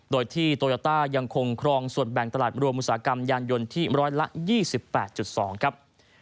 โดยที่โตโยต้ายังคงครองส่วนแบ่งตลาดรวมอุตสาหกรรมยานยนต์ที่ร้อยละ๒๘๒ครับ